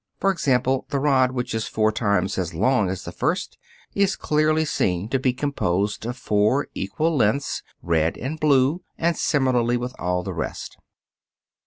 For example, the rod which is four times as long as the first is clearly seen to be composed of four equal lengths, red and blue; and similarly with all the rest.